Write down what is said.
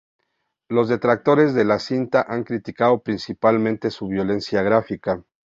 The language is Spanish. Los detractores de la cinta han criticado principalmente su violencia gráfica.